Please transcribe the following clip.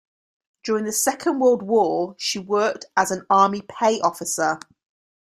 During the Second World War she worked at an Army Pay Office.